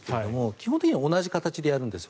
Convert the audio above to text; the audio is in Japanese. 基本的には同じ形でやるんです。